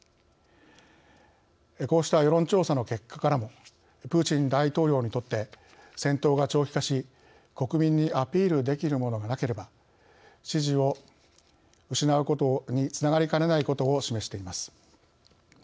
こうした世論調査の結果からもプーチン大統領にとって戦闘が長期化し国民にアピールできるものがなければ、支持を失うことにつながりかねないことを示しています。